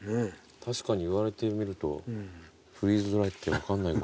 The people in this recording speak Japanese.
確かに言われてみるとフリーズドライって分かんない。